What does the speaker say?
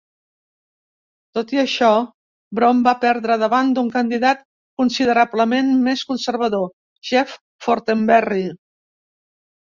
Tot i això, Bromm va perdre davant d'un candidat considerablement més conservador, Jeff Fortenberry.